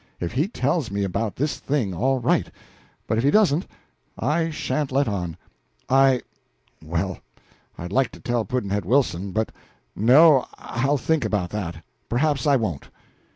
If he tells me about this thing, all right; but if he doesn't, I sha'n't let on. I well, I'd like to tell Pudd'nhead Wilson, but no, I'll think about that; perhaps I won't."